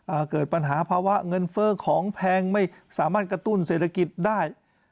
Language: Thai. เกิดปัญหาภาวะเงินเฟ้อของแพงไม่สามารถกระตุ้นเศรษฐกิจได้